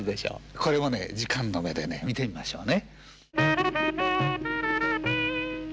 これも時間の目で見てみましょうね。